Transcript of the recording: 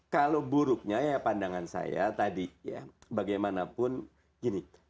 kalau buruknya ya pandangan saya tadi ya bagaimanapun gini